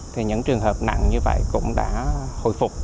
thì những trường hợp nặng như vậy cũng đã hồi phục